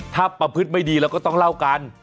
ถ้าประพฤติไม่ดีเราก็ต้องเล่ากัน